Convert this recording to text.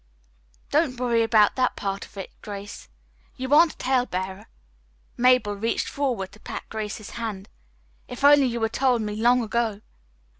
"Don't worry about that part of it, Grace. You aren't a tale bearer." Mabel reached forward to pat Grace's hand. "If only you had told me long ago."